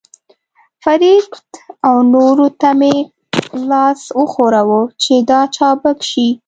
فرید او نورو ته مې لاس وښوراوه، چې را چابک شي.